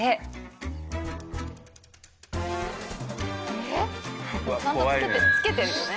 えっ？ちゃんとつけてるつけてるよね？